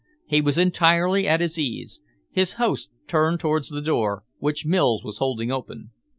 He was entirely at his ease. His host turned towards the door, which Mills was holding open.